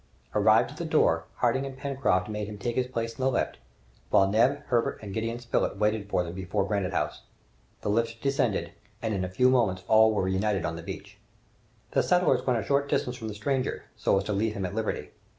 Arrived at the door, Harding and Pencroft made him take his place in the lift, while Neb, Herbert, and Gideon Spilett waited for them before Granite House. The lift descended, and in a few moments all were united on the beach. The settlers went a short distance from the stranger, so as to leave him at liberty.